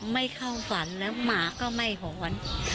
ไม่เข้าฝันแล้วหมาก็ไม่หอน